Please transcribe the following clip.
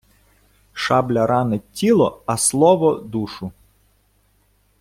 Шабля ранить тіло, а слово – душу.